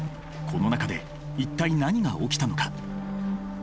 この中で一体何が起きたのか？